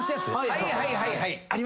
・はいはいはいはい。